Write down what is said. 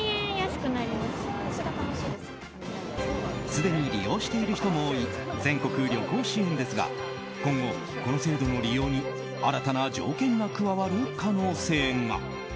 すでに利用している人も多い全国旅行支援ですが今後、この制度の利用に新たな条件が加わる可能性が。